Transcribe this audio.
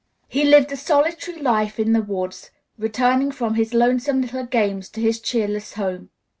He lived a solitary life in the woods, returning from his lonesome little games to his cheerless home.